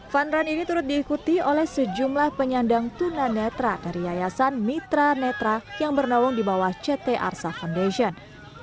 fun run ini turut diikuti oleh sejumlah penyandang tunanetra dari yayasan mitra netra yang bernaung di bawah ct arsa foundation